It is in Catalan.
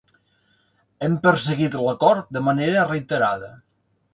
Hem perseguit l’acord de manera reiterada